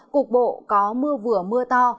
cục bộ có mưa vừa mưa to